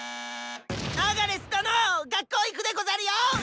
アガレス殿！学校行くでござるよ！